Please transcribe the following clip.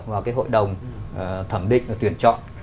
và cái hội đồng thẩm định và tuyển chọn